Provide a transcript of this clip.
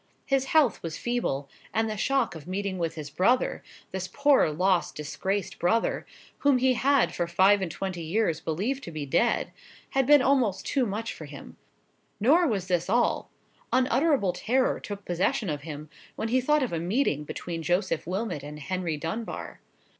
His health was feeble, and the shock of meeting with his brother—this poor lost disgraced brother—whom he had for five and twenty years believed to be dead, had been almost too much for him. Nor was this all—unutterable terror took possession of him when he thought of a meeting between Joseph Wilmot and Henry Dunbar.